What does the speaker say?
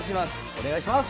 お願いします。